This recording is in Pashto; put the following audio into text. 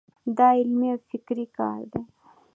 دا علمي او فکري کار دی.